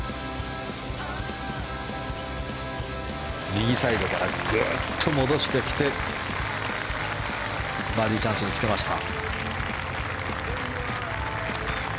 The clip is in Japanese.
右サイドからぐっと戻してきてバーディーチャンスにつけました。